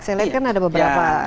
saya lihat kan ada beberapa